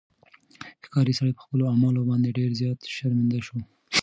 ښکاري سړی په خپلو اعمالو باندې ډېر زیات شرمنده شو.